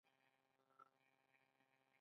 آزاد تجارت مهم دی ځکه چې قیمتونه کموي سفر.